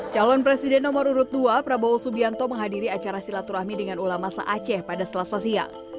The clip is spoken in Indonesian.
calon presiden nomor urut dua prabowo subianto menghadiri acara silaturahmi dengan ulama se aceh pada setelah sasiang